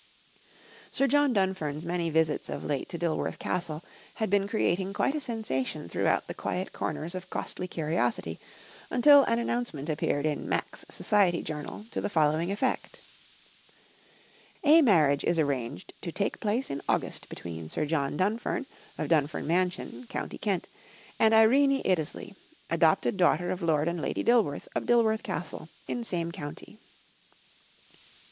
Sir John Dunfern's many visits of late to Dilworth Castle had been creating quite a sensation throughout the quiet corners of costly curiosity, until an announcement appeared in Mack's Society Journal to the following effect: "A marriage is arranged to take place in August between Sir John Dunfern, of Dunfern Mansion, County Kent, and Irene Iddesleigh, adopted daughter of Lord and Lady Dilworth, of Dilworth Castle, in same county."